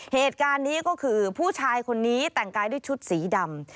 เหตุการณ์นี้ก็คือผู้ชายคนนี้แต่งกายด้วยชุดสีดำ